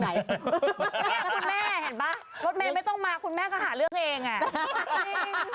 คุณแม่เห็นป่ะรถเมย์ไม่ต้องมาคุณแม่ก็หาเรื่องเองอ่ะ